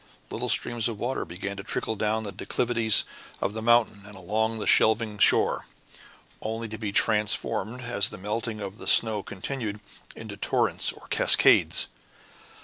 Little streams of water began to trickle down the declivities of the mountain and along the shelving shore, only to be transformed, as the melting of the snow continued, into torrents or cascades.